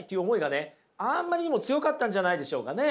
あんまりにも強かったんじゃないんでしょうかね。